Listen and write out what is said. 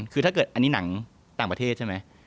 คือถ้าเกิดอันนี้หนังต่างประเทศใช่ไหม